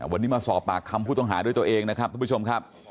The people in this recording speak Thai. วันนี้มาสอบปากคำผู้ต้องหาด้วยตัวเองนะครับทุกผู้ชมครับ